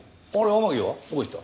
天樹はどこ行った？